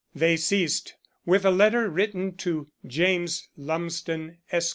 They ceased with a letter written to "James Lumsden, Esq.